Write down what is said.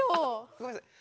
ごめんなさい。